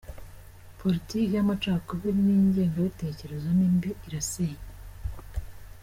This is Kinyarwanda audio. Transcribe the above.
Politike y’amacakubili n’ingengabitekerezo ni mbi irasenya.